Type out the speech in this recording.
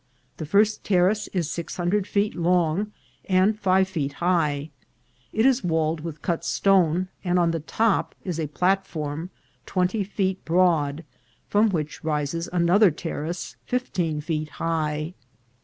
The first terrace is six hundred feet long and five feet high* Et is walled with cut stone, and on the top i& a platform twenty feet broad, from which rises another terrace fif teen feet high.